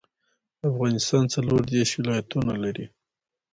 افغانستان څلوردیش ولایتونه لري.